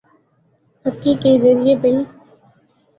پھکی کے زریعے بل